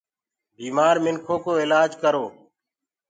بيمآر منکو ڪو الآج ڪرو